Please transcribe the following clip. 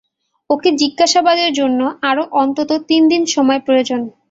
ওকে জিজ্ঞাসাবাদের জন্য আরও অন্তত তিন দিন সময় প্রয়োজন।